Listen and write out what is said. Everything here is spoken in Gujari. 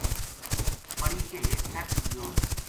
پڑی کے ہیٹھ سَٹ چھُڑیو